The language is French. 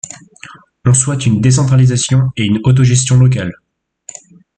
On souhaite une décentralisation et une autogestion locale.